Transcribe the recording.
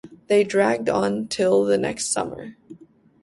They dragged on till the next summer.